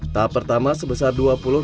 tahap pertama sebesar berikutnya